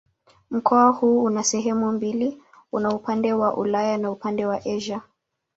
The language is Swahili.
Mkoa huu una sehemu mbili: una upande wa Ulaya na upande ni Asia.